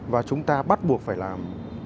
và chúng ta bắt buộc phải làm